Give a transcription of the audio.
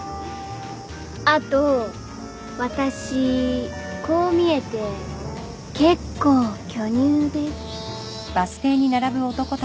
あと私こう見えて結構巨乳です